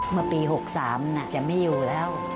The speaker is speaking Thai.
เมื่อปี๖๓จะไม่อยู่แล้ว